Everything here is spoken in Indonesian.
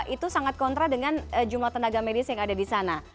itu sangat kontra dengan jumlah tenaga medis yang ada di sana